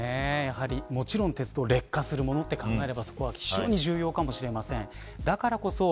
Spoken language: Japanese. もちろん鉄道は劣化するものと考えれば、そこは非常に重要かもしれません。